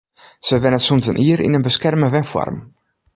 Sy wennet sûnt in jier yn in beskerme wenfoarm.